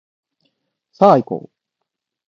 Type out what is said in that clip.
さあいこう